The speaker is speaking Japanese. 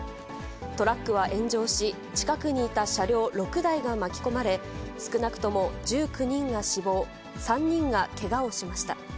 トラックは炎上し、近くにいた車両６台が巻き込まれ、少なくとも１９人が死亡、３人がけがをしました。